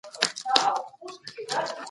د عرضې په وړاندې بايد مناسبه تقاضا شتون ولري.